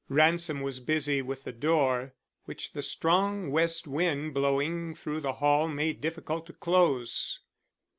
Ransom was busy with the door, which the strong west wind blowing through the hall made difficult to close.